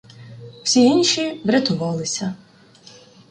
Всі інші врятувалися.